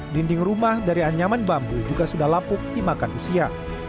dinding rumah dari anyaman bambu juga sudah lapuk dimakan usia